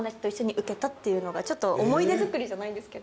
思い出づくりじゃないんですけど。